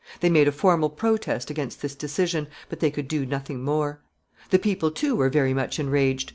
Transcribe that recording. They made a formal protest against this decision, but they could do nothing more. The people, too, were very much enraged.